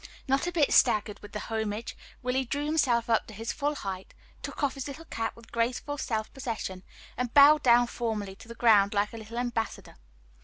Not a bit staggered with the homage, Willie drew himself up to his full height, took off his little cap with graceful self possession, and bowed down formally to the ground, like a little ambassador.